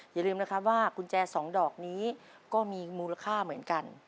อย่าลืมนะครับว่ากุญแจสองดอกนี้ก็มีมูลค่าเหมือนกัน